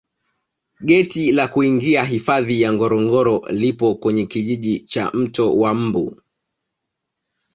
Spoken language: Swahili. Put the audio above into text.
geti la kuingia hifadhi ya ngorongoro lipo kwenye kijiji cha mto wa mbu